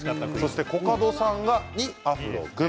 コカドさんが２アフロ君。